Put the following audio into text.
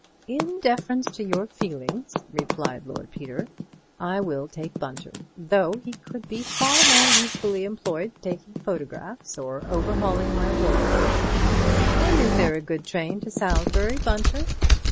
"In deference to your feelings," replied Lord Peter, "I will take Bunter, though he could be far more usefully employed taking photographs or overhauling my wardrobe. When is there a good train to Salisbury, Bunter?"